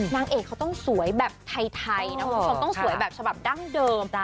นางเอกเขาต้องสวยแบบไทยนะคุณผู้ชมต้องสวยแบบฉบับดั้งเดิม